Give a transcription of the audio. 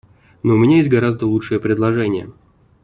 Но у меня есть гораздо лучшее предложение.